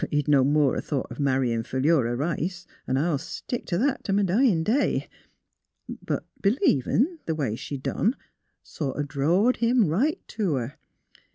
But he'd no more 'a' thought o' mar rying Philura Rice; an' I'll stick t' that t' m' dyin' day. But b'lie\an', the way she done, sort o' drawed him right to her.